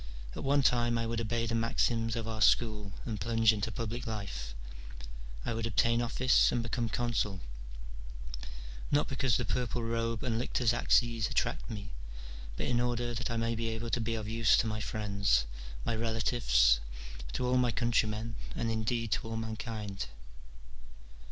At one time I would obey the maxims of our school and plunge into public life, I would obtain office and become consul, not because the purple robe and lictor's axes attract me, but in order that I may be able to be of use to my friends, my relatives, to all my countrymen, and indeed to all mankind.